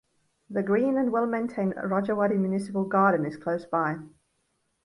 The green and well maintained Rajawadi Municipal Garden is close by.